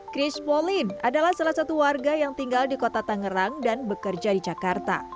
chris polin adalah salah satu warga yang tinggal di kota tangerang dan bekerja di jakarta